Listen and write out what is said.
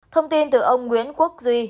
thông tin từ ông nguyễn quốc duy